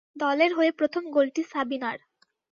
দলের হয়ে প্রথম গোলটি সাবিনার।